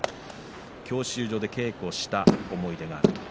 教習所で稽古をした思い出がある。